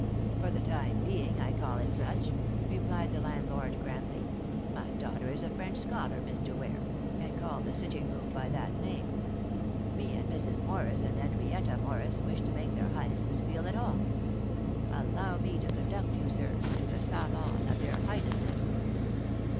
"For the time being I call it such," replied the landlord grandly. "My daughter is a French scholar, Mr. Ware, and called the sitting room by that name. Me and Mrs. Morris and Henrietta Morris wish to make their Highnesses feel at home. Allow me to conduct you, sir, to the salon of their Highnesses.